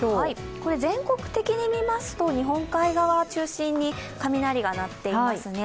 これ全国的に見ますと日本海側を中心に雷が鳴っていますね。